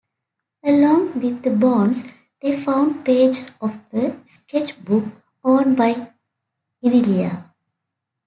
Along with the bones, they found pages of a sketchbook owned by Idilia.